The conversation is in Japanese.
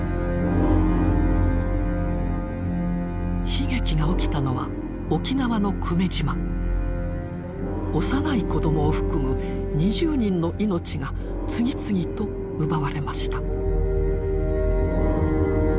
悲劇が起きたのは幼い子どもを含む２０人の命が次々と奪われました。